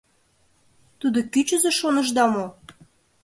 — Тудо кӱчызӧ шонышда мо?